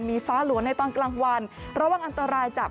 มีฟ้าหลวนในตอนกลางวันระวังอันตรายจาก